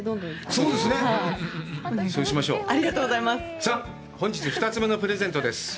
さあ、本日２つ目のプレゼントです。